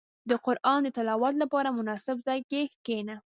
• د قران د تلاوت لپاره، مناسب ځای کې کښېنه.